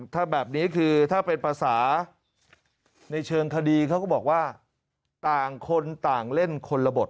ถ้าเป็นภาษาในเชิงคดีเขาก็บอกว่าต่างคนต่างเล่นคนระบบ